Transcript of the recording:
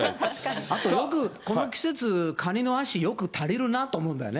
あとよくこの季節、カニの足よく足りるなと思うんだよね。